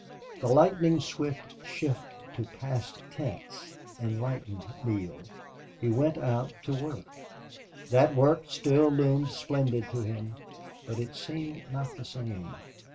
The lightning swift shift to past tense enlightened Neale. He went out to work. That work still loomed splendid to him, but it seemed not the same.